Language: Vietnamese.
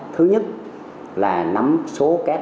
thứ nhất là nắm số các đối tượng